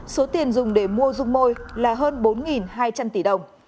số tiền dùng để mua dung môi là hơn bốn hai trăm linh tỷ đồng